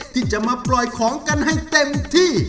ที่จะมาปล่อยของกันให้เต็มที่